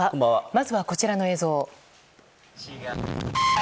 まずは、こちらの映像を。